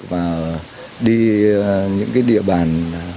và đi những cái địa bàn